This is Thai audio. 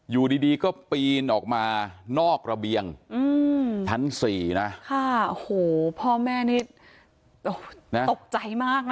อยู่ดีก็ปีนออกมานอกระเบียงชั้น๔นะค่ะโอ้โหพ่อแม่นี่ตกใจมากนะ